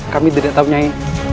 kami tidak tahu nyai